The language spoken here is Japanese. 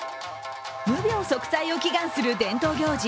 無病息災を祈願する伝統行事